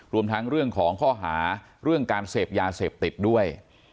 รวมทั้งเรื่องของข้อหาเรื่องการเสพยาเสพติดด้วย